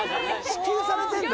支給されてるんだ。